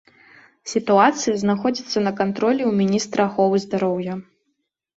Сітуацыя знаходзіцца на кантролі ў міністра аховы здароўя.